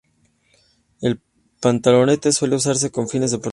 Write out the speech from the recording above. La pantaloneta suele usarse con fines deportivos.